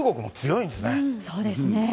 そうですね。